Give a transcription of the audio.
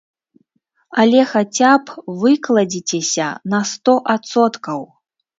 Але хаця б выкладзіцеся на сто адсоткаў!